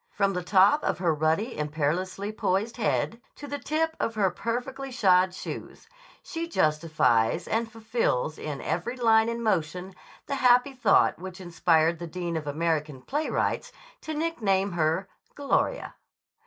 From the top of her ruddy, imperiously poised head to the tip of her perfectly shod toes, she justifies and fulfills in every line and motion the happy thought which inspired the dean of American playwrights to nickname her "Gloria."